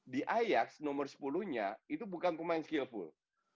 di ayax nomor sepuluh nya itu bukan pemain skillful